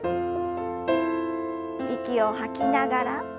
息を吐きながら。